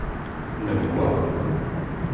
Nnem wa?